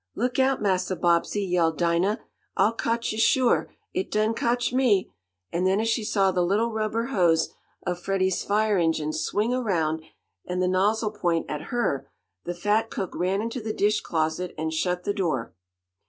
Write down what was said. "Look out, Massa Bobbsey!" yelled Dinah. "It'll cotch yo' shuah. It done cotched me!" and then as she saw the little rubber hose of Freddie's fire engine swing around, and the nozzle point at her, the fat cook ran into the dish closet and shut the door.